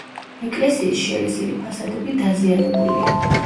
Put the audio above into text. ეკლესიის შელესილი ფასადები დაზიანებულია.